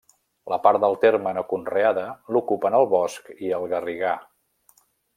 La part del terme no conreada l'ocupen el bosc i el garrigar.